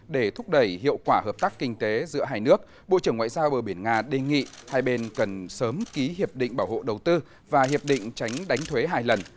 để thúc đẩy hiệu quả hợp tác kinh tế giữa hai nước bộ trưởng ngoại giao bờ biển nga đề nghị hai bên cần sớm ký hiệp định bảo hộ đầu tư và hiệp định tránh đánh thuế hai lần